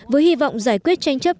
với hy vọng giải quyết tranh chấp